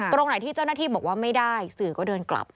ตรงไหนที่เจ้าหน้าที่บอกว่าไม่ได้สื่อก็เดินกลับ